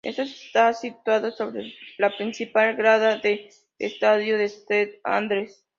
Este está situado sobre la principal grada de estadio de St Andrew's.